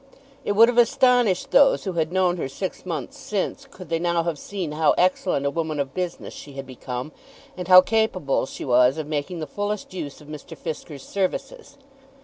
It would have astonished those who had known her six months since could they now have seen how excellent a woman of business she had become, and how capable she was of making the fullest use of Mr. Fisker's services.